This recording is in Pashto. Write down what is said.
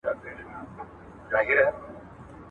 سياسي ژوند به بې له اړودوړه نه وي.